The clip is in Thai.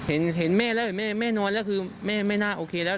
เห็นแม่แล้วเห็นแม่แม่นอนแล้วคือแม่ไม่น่าโอเคแล้ว